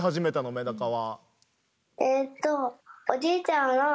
メダカは。